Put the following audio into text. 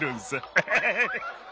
ハハハハ！